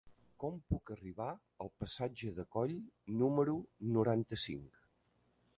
Com puc arribar al passatge de Coll número noranta-cinc?